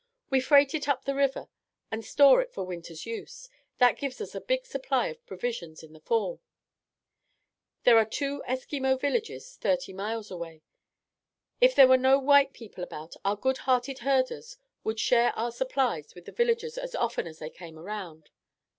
We freight it up the river and store it for winter's use. That gives us a big supply of provisions in the fall. There are two Eskimo villages thirty miles away. If there were no white people about, our good hearted herders would share our supplies with the villagers as often as they came around.